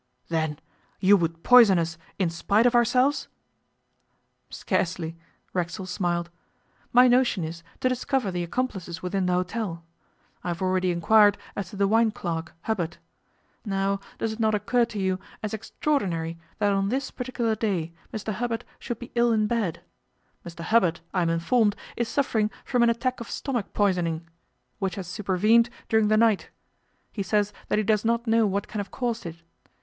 'Then you would poison us in spite of ourselves?' 'Scarcely,' Racksole smiled. 'My notion is to discover the accomplices within the hotel. I have already inquired as to the wine clerk, Hubbard. Now does it not occur to you as extraordinary that on this particular day Mr Hubbard should be ill in bed? Hubbard, I am informed, is suffering from an attack of stomach poisoning, which has supervened during the night. He says that he does not know what can have caused it.